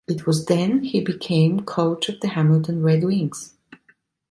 It was then he became coach of the Hamilton Red Wings.